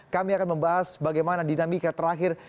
kami akan membahas bagaimana dinamika terakhir